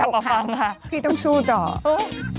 กลับมาฟังค่ะพี่ต้องชู้ต่อเอ้อ